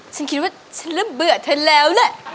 ฉันคิดว่าฉันเริ่มเบื่อเธอแล้วแหละ